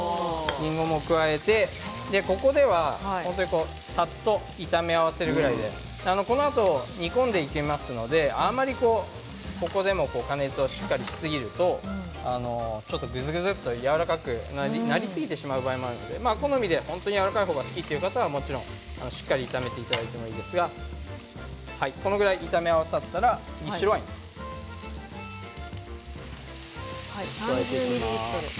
りんごを加えて、ここではさっと炒め合わせるぐらいでこのあと煮込んでいきますのであまりここで加熱をしっかりしすぎるとちょっとぐずぐずとやわらかくなりすぎてしまう場合もあるのでお好みでやわらかい方が好きという方はしっかり炒めていただいてもいいですがこのぐらい炒め合わさったら白ワイン。入れていきます。